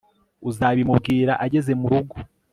Uzabimubwira ageze murugo